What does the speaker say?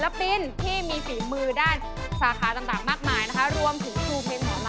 มันไม่ใช่รถตุ๊ก